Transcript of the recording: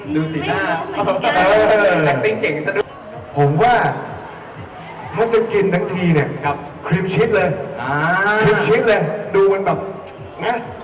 ดูสีหน้าแก๊กติ้งเก่งสักนิดหนึ่งผมว่าถ้าจะกินทั้งทีเนี่ยครีมชิทเลยดูมันแบบง่ะ